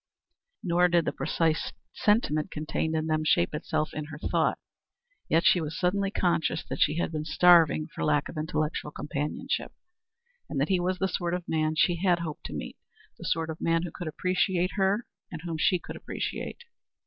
Nor did the precise sentiment contained in them shape itself in her thought. Yet she was suddenly conscious that she had been starving for lack of intellectual companionship, and that he was the sort of man she had hoped to meet the sort of man who could appreciate her and whom she could appreciate.